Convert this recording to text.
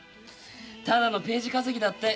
ただのページ稼ぎだって。